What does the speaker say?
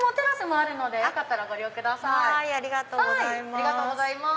ありがとうございます。